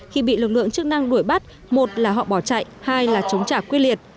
khi bị lực lượng chức năng đuổi bắt một là họ bỏ chạy hai là chống trả quyết liệt